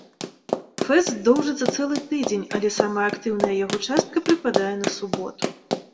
Фэст доўжыцца цэлы тыдзень, але самая актыўная яго частка прыпадае на суботу.